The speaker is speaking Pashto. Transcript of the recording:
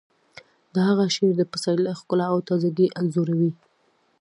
د هغه شعر د پسرلي ښکلا او تازه ګي انځوروي